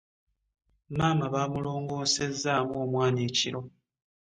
Maama bamulongosezaamu omwana ekiro.